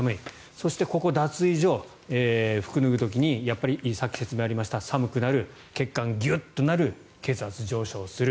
そしてここ、脱衣所服を脱ぐ時にやっぱり先ほど説明ありました寒くなる血管がギュッとなる血圧が上昇する。